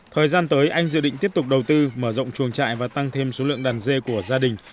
thời gian tới anh dự định tiếp tục đầu tư mở rộng chuồng trại và tăng thêm số lượng đàn dê của gia đình